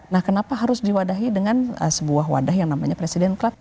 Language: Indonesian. nah kenapa harus diwadahi dengan sebuah wadah yang namanya presiden club